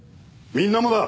みんなもだ。